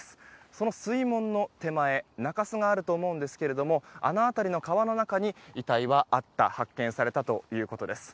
その水門の手前中州があると思うんですがあの辺りの川の中に遺体はあった発見されたということです。